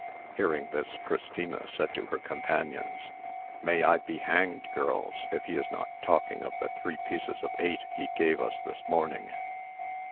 Hearing this, Christina said to her companions, "May I be hanged, girls, if he is not talking of the three pieces of eight he gave us this morning."